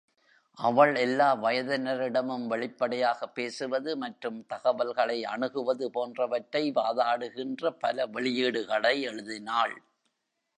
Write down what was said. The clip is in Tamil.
அவள் எல்லா வயதினரிடமும் வெளிப்படையாக பேசுவது மற்றும் தகவல்களை அணுகுவது போன்றவற்றை வாதாடுகின்ற பல வெளியீடுகளை எழுதினாள்.